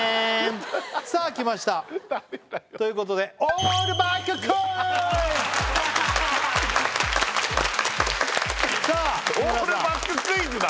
さあきましたということで誰だよさあ日村さんオールバッククイズだ